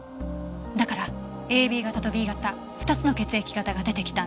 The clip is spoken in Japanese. だからＡＢ型とＢ型２つの血液型が出てきたんです。